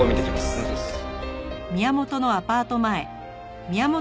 お願いします。